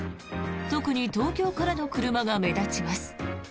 特に東京からの車が目立ちます。